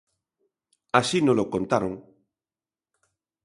Así nolo contaron.